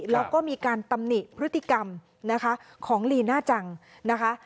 แล้วก็มีการตำหนิพฤติกรรมนะคะของลีน่าจังนะคะ